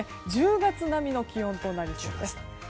１０月並みの気温になりそうです。